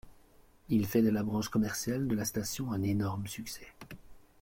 Il a fait de la branche commerciale de la station un énorme succès.